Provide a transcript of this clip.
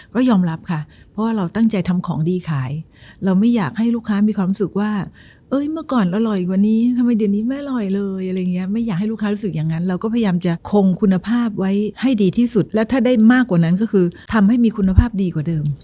ก็ยอมรับค่ะเพราะว่าเราตั้งใจทำของดีขายเราไม่อยากให้ลูกค้ามีความรู้สึกว่าเอ้ยเมื่อก่อนอร่อยกว่านี้ทำไมเดี๋ยวนี้ไม่อร่อยเลยอะไรอย่างเงี้ยไม่อยากให้ลูกค้ารู้สึกอย่างนั้นเราก็พยายามจะคงคุณภาพไว้ให้ดีที่สุดแล้วถ้าได้มากกว่านั้นก็คือทำให้มีคุณภาพดีกว่าเดิม